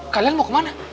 kalian mau ke mana